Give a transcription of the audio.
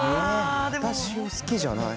「私を好きじゃない」。